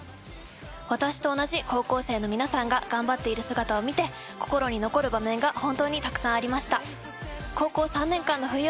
私と同じ高校生の皆さんが頑張っている姿を見て心に残る場面が本当にたくさんありました。